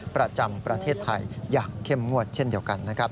ประจำประเทศไทยอย่างเข้มงวดเช่นเดียวกันนะครับ